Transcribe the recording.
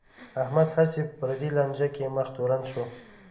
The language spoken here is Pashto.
احمد هسې په پردی لانجه کې مخ تورن شو.